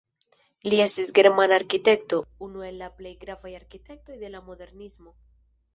Li estis germana arkitekto, unu el la plej gravaj arkitektoj de la modernismo.